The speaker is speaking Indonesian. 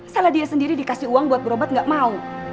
salah dia sendiri dikasih uang buat berobat gak mau